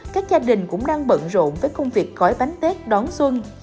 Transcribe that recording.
các gia đình cũng đang bận rộn với công việc gói bánh tết đón xuân